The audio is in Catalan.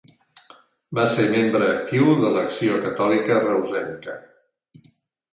Va ser membre actiu de l'Acció Catòlica reusenca.